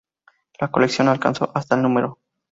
La colección alcanzó hasta el núm.